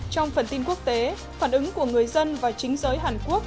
trong phần tin quốc tế phản ứng của người dân và chính giới hàn quốc